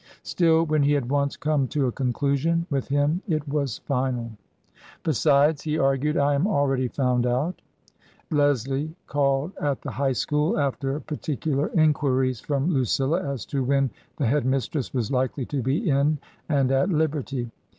Still, when he had once come to a conclusion, with him it was final. " Besides," he argued, " I am already found out" Leslie called at the High School, after particular en quiries from Lu cilia as to when the Head mistress was likely to be in and at liberty.